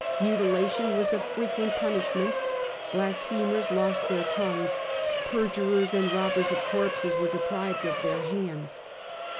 Mutilation was a frequent punishment : blasphemers lost their tongues ; perjurers and robbers of corpses were deprived of their hands.